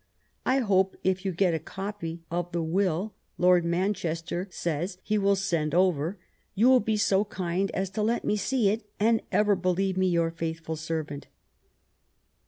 I hope if you get a coppy of ye will Ld. Manchester says he will send over, you will be soe kind as to let me see it, & ever believe me your faithful servant."